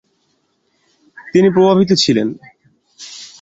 তিনি প্রভাবিত ছিলেন।